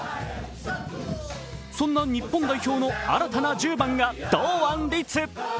そんな日本代表の新たな１０番が堂安律。